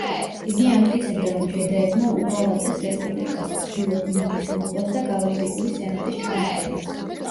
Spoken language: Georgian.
იგი ამტკიცებდა, რომ ჯედაებმა უღალატეს რესპუბლიკას, ცდილობდნენ მის მოკვლას და გალაქტიკური სენატის ჩამოგდებას.